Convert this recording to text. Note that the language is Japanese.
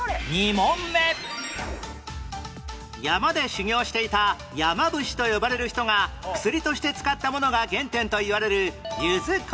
山で修行していた山伏と呼ばれる人が薬として使ったものが原点といわれる